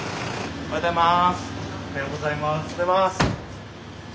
おはようございます。